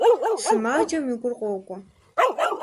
Сымаджэм и гур къокӀуэ.